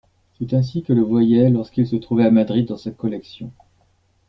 C’est ainsi que le voyait lorsqu’il se trouvait à Madrid dans sa collection.